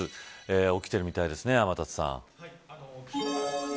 起きているみたいですね天達さん。